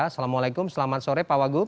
assalamualaikum selamat sore pak wagub